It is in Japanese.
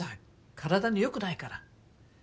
体に良くないから。